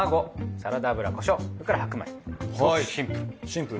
ザシンプル。